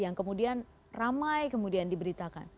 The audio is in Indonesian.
yang kemudian ramai kemudian diberitakan